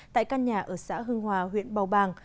tại căn nhà ở xã hưng hòa huyện bầu bàng